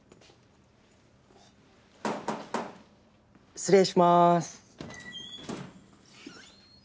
失礼します。